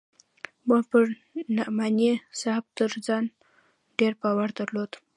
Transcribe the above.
ما پر نعماني صاحب تر ځان ډېر باور درلود.